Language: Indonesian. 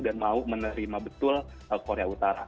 dan mau menerima betul korea utara